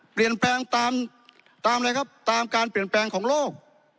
เปลี่ยนแปลงตามอะไรครับตามการเปลี่ยนแปลงของโลก